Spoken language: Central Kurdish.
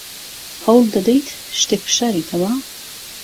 هەوڵ دەدەیت شتێک بشاریتەوە؟